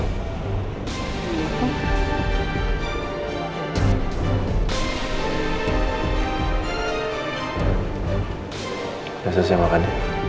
saya sudah selesai makan